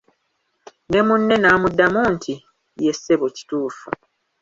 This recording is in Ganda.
Ne munne n'amuddamu nti "ye ssebo kituufu"